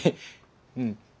うん。